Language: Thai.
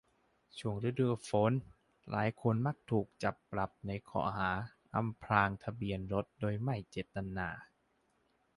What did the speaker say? ช่วงฤดูฝนหลายคนมักถูกจับปรับในข้อหา อำพรางทะเบียนรถโดยไม่เจตนา